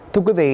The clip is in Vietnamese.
thưa quý vị